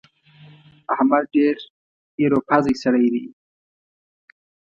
احمد ډېر ايرو پزی سړی دی.